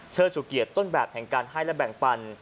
เชิญสุเกียรต้นแบบหล่ามไขร่และแบ่งปั่น